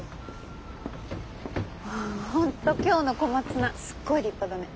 本当今日の小松菜すっごい立派だね。